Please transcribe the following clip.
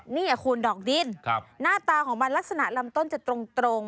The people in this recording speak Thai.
ใช่จริงหน้าตาของมันลักษณะลำต้นจะตรง